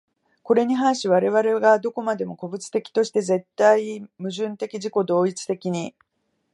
これに反し我々が何処までも個物的として、絶対矛盾的自己同一的に、